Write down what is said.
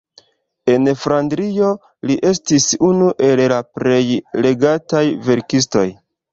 En Flandrio li estis unu el la plej legataj verkistoj.